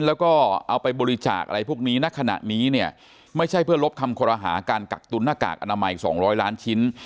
แล้วก็เอาไปบริจาคอะไรพวกนี้ณขณะนี้เนี่ยไม่ใช่เพื่อลบคำคอรหาการกักตุนหน้ากากอนามัย๒๐๐ล้านชิ้น